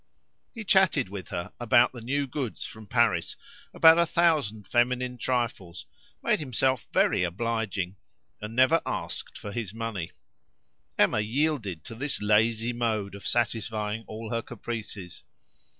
He chatted with her about the new goods from Paris, about a thousand feminine trifles, made himself very obliging, and never asked for his money. Emma yielded to this lazy mode of satisfying all her caprices.